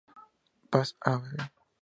Paz; Av.